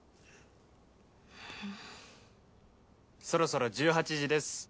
「そろそろ１８時です。